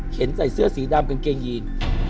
ใส่เสื้อสีดำกางเกงยีน